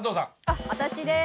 あ私です。